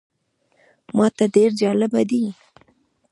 ماته ډېر جالبه دی.